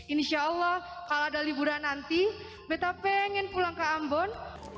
insya allah kalau ada liburan nanti metape ingin pulang ke ambon